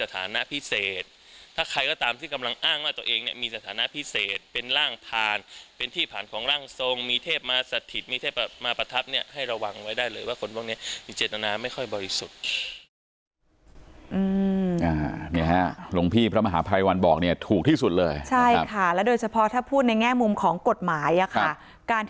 ฐานะพิเศษถ้าใครก็ตามที่กำลังอ้างว่าตัวเองเนี่ยมีสถานะพิเศษเป็นร่างผ่านเป็นที่ผ่านของร่างทรงมีเทพมาสถิตมีเทพมาประทับเนี่ยให้ระวังไว้ได้เลยว่าคนพวกนี้มีเจตนาไม่ค่อยบริสุทธิ์เนี่ยฮะหลวงพี่พระมหาภัยวันบอกเนี่ยถูกที่สุดเลยใช่ค่ะแล้วโดยเฉพาะถ้าพูดในแง่มุมของกฎหมายอ่ะค่ะการ